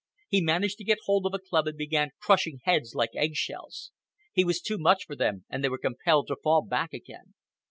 He managed to get hold of a club and began crushing heads like eggshells. He was too much for them, and they were compelled to fall back again.